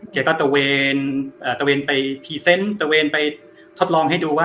เกียร์ก็เติวเวนเอ่อเติวเวนไปทดลองให้ดูว่า